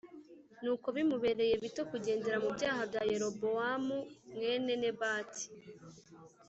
Nuko bimubereye bito kugendera mu byaha bya Yerobowamu mwene Nebati